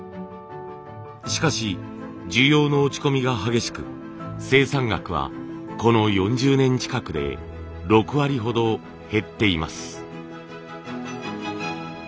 しかし需要の落ち込みが激しく生産額はこの４０年近くで６割ほど減っています。